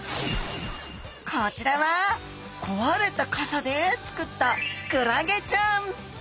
こちらは壊れた傘で作ったクラゲちゃん！